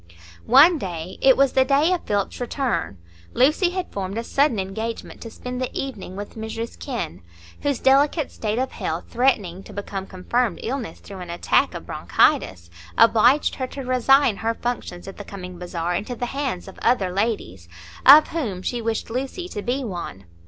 One day—it was the day of Philip's return—Lucy had formed a sudden engagement to spend the evening with Mrs Kenn, whose delicate state of health, threatening to become confirmed illness through an attack of bronchitis, obliged her to resign her functions at the coming bazaar into the hands of other ladies, of whom she wished Lucy to be one.